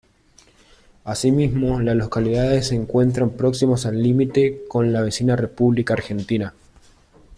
Asimismo, la localidad se encuentra próxima al límite con la vecina República Argentina.